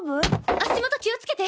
足元気をつけて！！